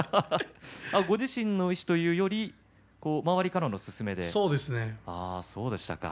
ご自身の意志いうよりは周りからの勧めだったんですね。